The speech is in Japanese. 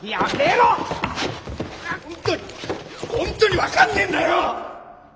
本当に本当に分かんねえんだよ！